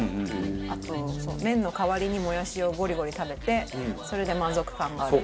あと麺の代わりにもやしをボリボリ食べてそれで満足感がある。